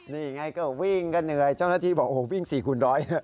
นี่ไงก็วิ่งก็เหนื่อยเจ้าหน้าที่บอกโอ้โหวิ่ง๔คูณร้อย